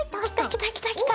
きたきたきた。